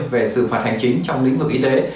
về xử phạt hành chính trong lĩnh vực y tế